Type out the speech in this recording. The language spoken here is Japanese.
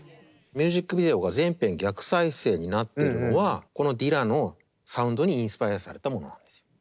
ミュージックビデオが全編逆再生になってるのはこのディラのサウンドにインスパイアされたものなんです。